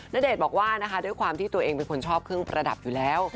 ณเดชน์บอกว่านะคะด้วยความที่ตัวเองเป็นคนชอบเครื่องประดับอยู่แล้ว